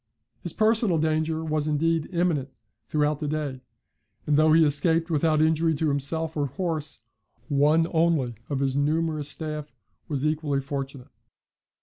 His personal danger was indeed imminent throughout the day; and though he escaped without injury to himself or horse, one only of his numerous staff was equally fortunate.